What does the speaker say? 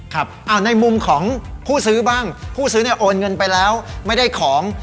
ในมุมของผู้ซื้อบ้างผู้ซื้อเนี่ยโอนเงินไปแล้วไม่ได้ของ